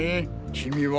君は。